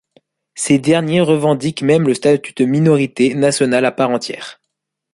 Ces derniers revendiquent même le statut de minorité nationale à part entière.